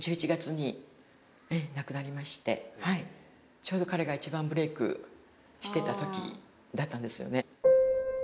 ちょうど彼が一番ブレイクしてた時だったんですよね。